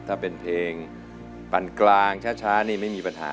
ถ้าเป็นเพลงปันกลางช้านี่ไม่มีปัญหา